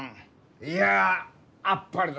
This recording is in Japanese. いやあっぱれだ！